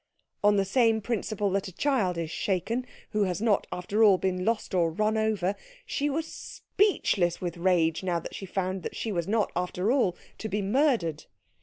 On the same principle that a child is shaken who has not after all been lost or run over, she was speechless with rage now that she found that she was not, after all, to be murdered.